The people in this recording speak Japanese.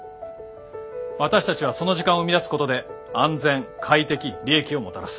私たちはその時間を生み出すことで安全快適利益をもたらす。